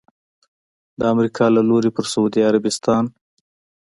د امریکا له لوري پر سعودي عربستان